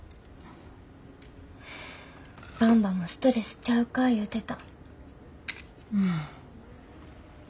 ばんばもストレスちゃうか言うてた。